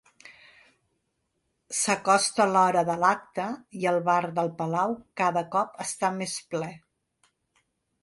S'acosta l'hora de l'acte i el bar del Palau cada cop està més ple.